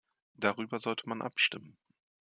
Darüber sollte man abstimmen.